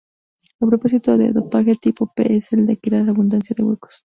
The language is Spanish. El propósito del dopaje tipo P es el de crear abundancia de huecos.